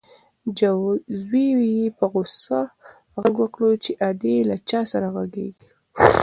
زوی یې په غوسه غږ وکړ چې ادې له چا سره غږېږې؟